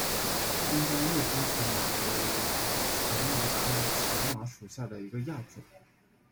新疆异株荨麻为荨麻科荨麻属下的一个亚种。